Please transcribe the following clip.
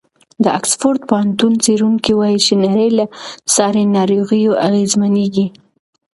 د اکسفورډ پوهنتون څېړونکي وایي چې نړۍ له ساري ناروغیو اغېزمنېږي.